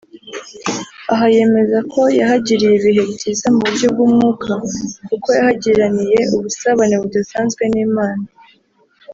Aha yemeza ko yahagiriye ibihe byiza mu buryo bw’umwuka kuko yahagiraniye ubusabane budasanzwe n’Imana